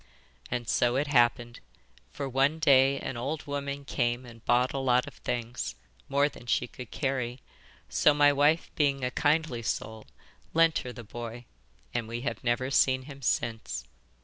And so it happened; for one day an old woman came and bought a lot of things more than she could carry; so my wife, being a kindly soul, lent her the boy, and we have never seen him since.